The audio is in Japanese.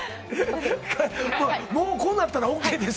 こうなったらＯＫです。